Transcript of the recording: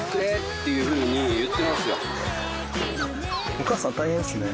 お母さん大変ですね。